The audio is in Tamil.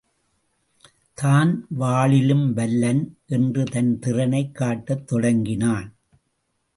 தான் வாளிலும் வல்லன் என்று தன் திறனைக் காட்டத் தொடங்கினான்.